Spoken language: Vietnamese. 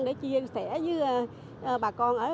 để chia sẻ với bà con